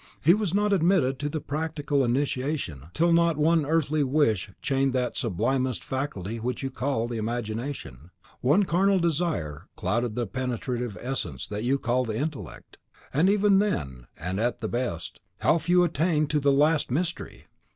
He was not admitted to the practical initiation till not one earthly wish chained that sublimest faculty which you call the IMAGINATION, one carnal desire clouded the penetrative essence that you call the INTELLECT. And even then, and at the best, how few attained to the last mystery!